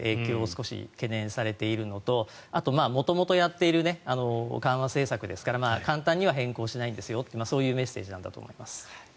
少し懸念されているのとあと、元々やっている緩和政策ですから簡単には変更しないんですよとそういうメッセージなんだと思います。